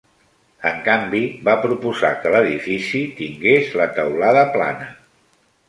En canvi, va proposar que l'edifici tingués la teulada plana.